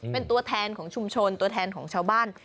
เป็นตัวแทนของชุมชนตัวแทนของชาวบ้าน